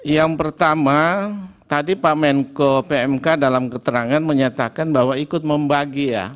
yang pertama tadi pak menko pmk dalam keterangan menyatakan bahwa ikut membagi ya